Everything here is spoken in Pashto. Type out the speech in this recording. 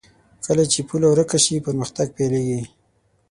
کله چې پوله ورکه شي، پرمختګ پيلېږي.